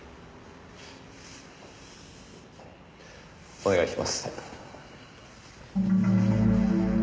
お願いします。